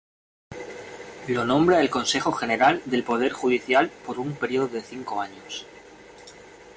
Lo nombra el Consejo General del Poder Judicial por un periodo de cinco años.